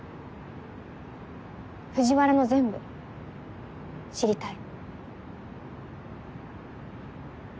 藤原の全部知りたい。